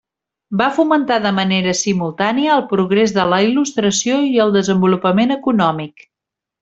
Va fomentar de manera simultània el progrés de la Il·lustració i el desenvolupament econòmic.